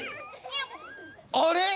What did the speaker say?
「あれ！